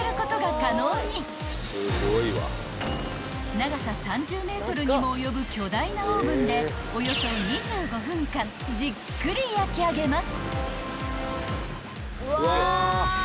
［長さ３０ｍにも及ぶ巨大なオーブンでおよそ２５分間じっくり焼き上げます］